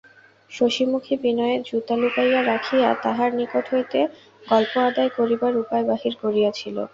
শশিমুখী বিনয়ের জুতা লুকাইয়া রাখিয়া তাহার নিকট হইতে গল্প আদায় করিবার উপায় বাহির করিয়াছিল।